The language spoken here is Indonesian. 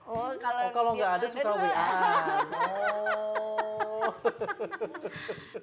oh kalau gak ada suka we an